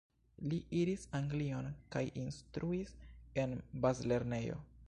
Li iris Anglion kaj instruis en bazlernejo.